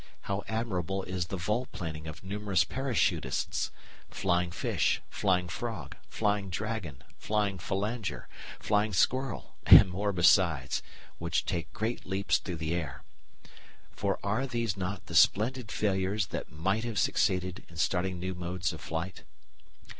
How admirable is the volplaning of numerous parachutists "flying fish," "flying frog," "flying dragon," "flying phalanger," "flying squirrel," and more besides, which take great leaps through the air. For are these not the splendid failures that might have succeeded in starting new modes of flight?